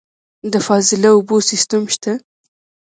د فاضله اوبو سیستم شته؟